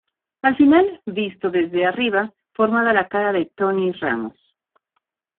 Al final, visto desde arriba, formada la cara de Tony Ramos.